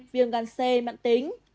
viên gan c mạng tính